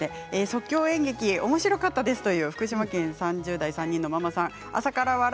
即興演劇、おもしろかったですという福島県３０代の方からです。